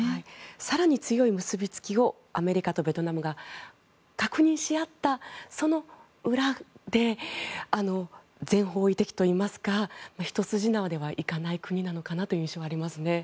更に強い結びつきをアメリカとベトナムが確認し合ったその裏で全方位的といいますか一筋縄ではいかない国なのかなという印象はありますね。